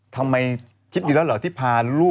ทำไมคิดดีแล้วเหรอที่พาลูก